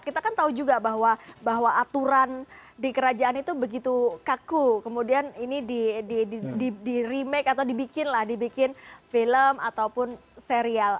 kita kan tahu juga bahwa aturan di kerajaan itu begitu kaku kemudian ini di remake atau dibikin lah dibikin film ataupun serial